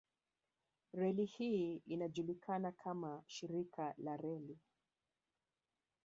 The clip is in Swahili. Reli hii inajulikana kama shirika la reli